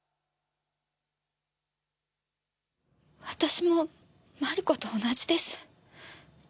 私もマルコと同じです。